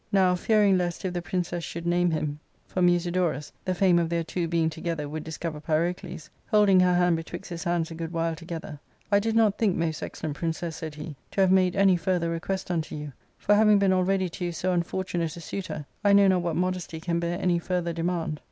Now, fearing lest, if . the princess should name him for 440 ARCADIA.^Book IV. MusidoruSy the fame of their two being together would discover Pyrocles, holding her hand betwixt his hands a good while together, ^ I did not think, most excellent princess," said he, '* to have made any further request unto you ; for, having been already to you so unfortunate a suitor, I know not what modesty can bear any further demand.